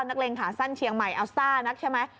เล็งขาสั้นเชียงใหม่อัลซ่านักใช่ไหม